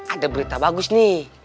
ada berita bagus nih